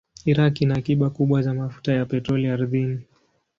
Iraq ina akiba kubwa za mafuta ya petroli ardhini.